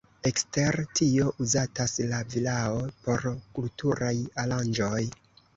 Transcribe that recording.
Ekster tio uzatas la vilao por kulturaj aranĝoj.